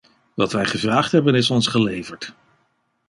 Wat wij gevraagd hebben is ons geleverd.